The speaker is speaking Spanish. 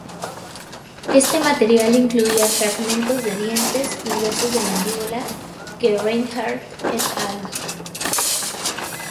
Este material incluía fragmentos de dientes y huesos de mandíbula que Rinehart "et al.